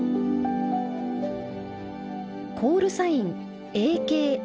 コールサイン「ＡＫＡＲ」。